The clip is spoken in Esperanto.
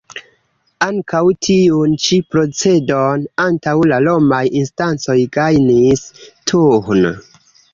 Ankaŭ tiun ĉi procedon antaŭ la romaj instancoj gajnis Thun.